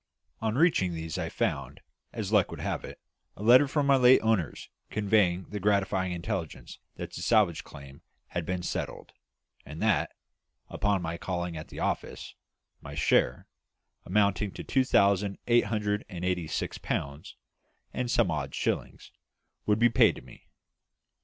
On reaching these I found, as luck would have it, a letter from my late owners conveying the gratifying intelligence that the salvage claim had been settled, and that, upon my calling at the office, my share, amounting to two thousand eight hundred and eighty six pounds, and some odd shillings, would be paid to me.